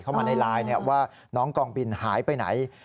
เข้ามาในไลน์ว่าน้องกองบินหายไปไหน